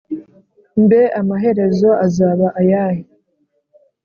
mbe amaherezo azaba ayahe’